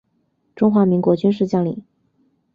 中华民国军事将领。